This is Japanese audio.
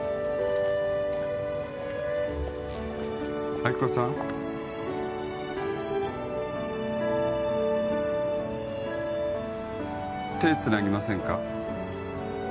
亜希子さん手つなぎませんか？